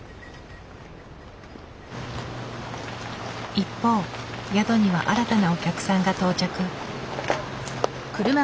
一方宿には新たなお客さんが到着。